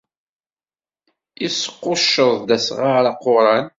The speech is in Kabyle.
Yesquccuḍ-d asɣar aquran.